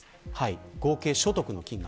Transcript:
合計所得の金額。